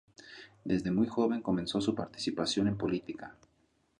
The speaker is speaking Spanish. Desde muy joven comenzó su participación en política.